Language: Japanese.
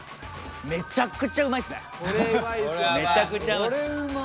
めちゃくちゃうまいっすね。